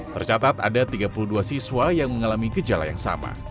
tercatat ada tiga puluh dua siswa yang mengalami gejala yang sama